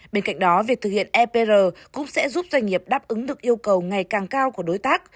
bên cạnh đó việc thực hiện epr cũng sẽ giúp doanh nghiệp đáp ứng được yêu cầu ngày càng cao của đối tác